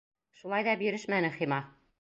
Шулай ҙа бирешмәне Хима.